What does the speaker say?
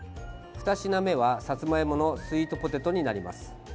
２品目は、さつまいものスイートポテトになります。